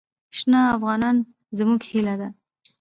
شنه افغانستان زموږ هیله ده.